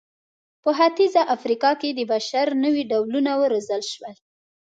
په ختیځه افریقا کې د بشر نوي ډولونه وروزل شول.